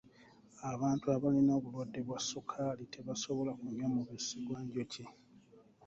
Abantu abalina obulwadde bwa ssukaali tebasobola kunywa mubisi gwa njuki.